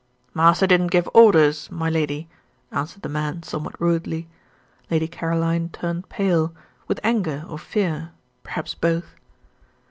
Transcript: "Master didn't give orders, my lady," answered the man, somewhat rudely. Lady Caroline turned pale with anger or fear perhaps both.